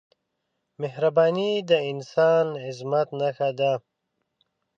مهرباني د انسان د عظمت نښه ده.